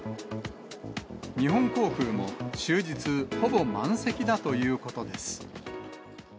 日本航空も終日、ほぼ満席だということです。